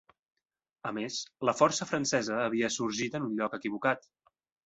A més, la força francesa havia sorgit en un lloc equivocat.